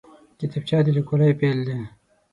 کتابچه د لیکوالۍ پیل دی